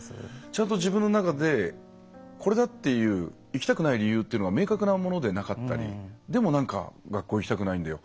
ちゃんと自分の中でこれだっていう行きたくない理由っていうのが明確なものでなかったりでもなんか学校行きたくないんだよ。